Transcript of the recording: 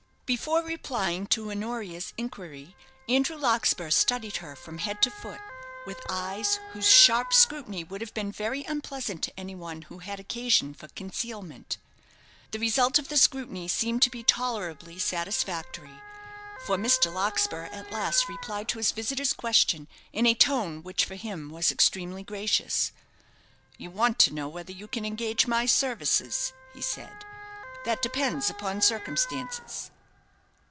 Before replying to Honoria's inquiry, Andrew Larkspur studied her from head to foot, with eyes whose sharp scrutiny would have been very unpleasant to anyone who had occasion for concealment. The result of the scrutiny seemed to be tolerably satisfactory, for Mr. Larkspur at last replied to his visitor's question in a tone which for him was extremely gracious. "You want to know whether you can engage my services," he said; "that depends upon circumstances."